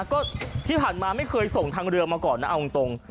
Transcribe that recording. ก็ที่ผ่านมาไม่เคยส่งทางเรือมาก่อนนะเอาตรง